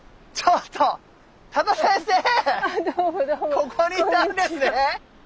ここにいたんですね！